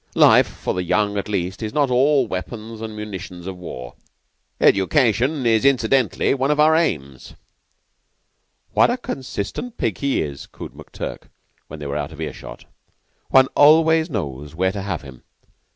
Life, for the young at least, is not all weapons and munitions of war. Education is incidentally one of our aims." "What a consistent pig he is," cooed McTurk, when they were out of earshot. "One always knows where to have him.